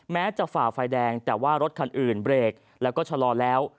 แม้จะฝ่าไฟแดงแต่ว่ารถคันอื่นเบรกแล้วก็ชะลอแล้ว